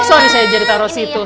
eh sorry saya jadi taro situ